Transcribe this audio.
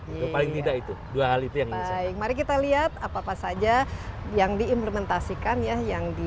itu paling tidak itu dua hal itu ya baik mari kita lihat apa apa saja yang diimplementasikan ya yang di